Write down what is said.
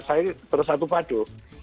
saya terus satu padu